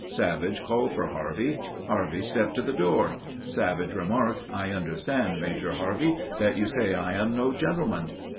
Savage called for Harvey. Harvey stepped to the door. Savage remarked, "I understand, Major Harvey, that you say I am no gentleman."